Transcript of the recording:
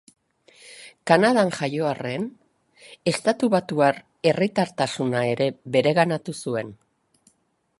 Kanadan jaio arren, estatubatuar herritartasuna ere bereganatu zuen.